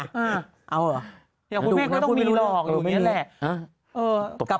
เดี๋ยวคุณแม่ก็ไม่ต้องมีหลอกอยู่เนี่ยแหละ